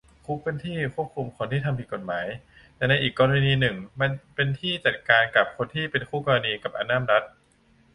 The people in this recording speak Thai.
คุกเป็นที่ควบคุมคนที่ทำผิดกฎหมาย แต่ในอีกกรณีหนึ่งมันเป็นที่จัดการกับคนที่เป็นคู่กรณีกับอำนาจรัฐ